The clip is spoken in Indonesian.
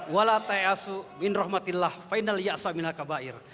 walau t'ai'asu minrohmatillah fainal ya'asamina kabair